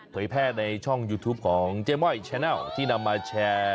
โดยแพทย์ในช่องยูทูปของเจมว่ายแชนัลที่นำมาแชร์